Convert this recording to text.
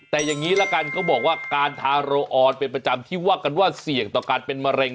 แต่อย่างนี้ละกันเขาบอกว่าการทาโรอออนเป็นประจำที่ว่ากันว่าเสี่ยงต่อการเป็นมะเร็ง